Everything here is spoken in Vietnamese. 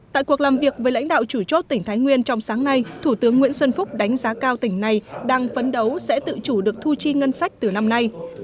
tại cuộc làm việc với lãnh đạo chủ chốt tỉnh thái nguyên trong sáng nay thủ tướng nguyễn xuân phúc đánh giá cao tỉnh này đang phấn đấu sẽ tự chủ được thu chi ngân sách từ năm nay